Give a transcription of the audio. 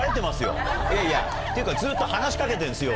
いやいやっていうかずっと話し掛けてんですよ